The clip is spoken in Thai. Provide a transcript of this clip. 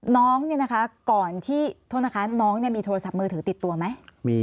น้องเนี่ยนะคะก่อนที่โทษนะคะน้องมีโทรศัพท์มือถือติดตัวไหม